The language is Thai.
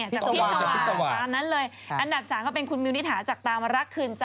นี่จากพิสวาครอันดับ๓ก็เป็นคุณมิวนิถาจากตามรักคืนใจ